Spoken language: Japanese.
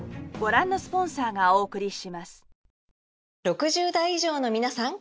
６０代以上のみなさん！